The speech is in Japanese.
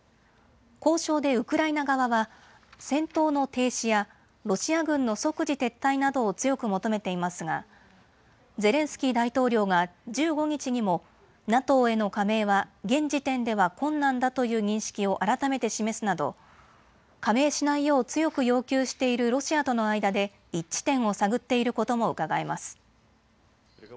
交渉でウクライナ側は戦闘の停止やロシア軍の即時撤退などを強く求めていますがゼレンスキー大統領が１５日にもＮＡＴＯへの加盟は現時点では困難だという認識を改めて示すなど加盟しないよう強く要求しているロシアとの間で一致点を探っていることもうかがえます。